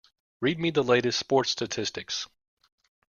Read me the latest sports statistics.